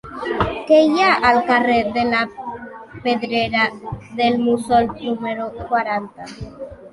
Què hi ha al carrer de la Pedrera del Mussol número quaranta?